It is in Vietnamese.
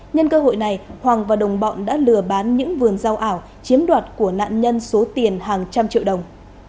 nhân cơ hội này hoàng và đồng bọn đã lừa bán những vườn rau ảo chiếm đoạt của nạn nhân số tiền hàng trăm triệu đồng